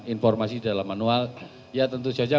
informasi dalam manual ya tentu saja